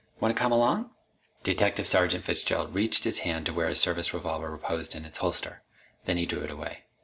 Want to come along?" Detective Sergeant Fitzgerald reached his hand to where his service revolver reposed in its holster. Then he drew it away.